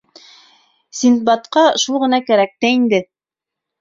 Синдбадҡа шул ғына кәрәк тә инде.